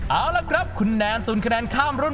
เอาละครับคุณแนนตุนคะแนนข้ามรุ่น